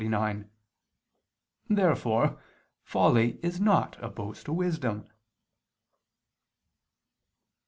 Therefore folly is not opposed to wisdom.